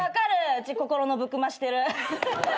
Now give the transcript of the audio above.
うち心のブクマしてる。